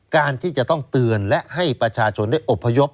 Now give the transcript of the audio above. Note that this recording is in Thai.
การที่จะต้องเตือนและให้ประชาชนได้อบพยพ